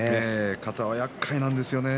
肩はやっかいですよね。